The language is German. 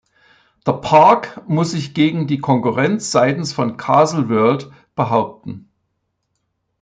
Der Park muss sich gegen die Konkurrenz seitens von „Castle World“ behaupten.